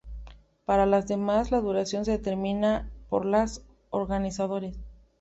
Para las demás la duración se determina por los organizadores.